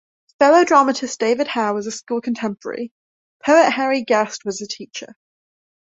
Fellow dramatist David Hare was a school contemporary; poet Harry Guest was a teacher.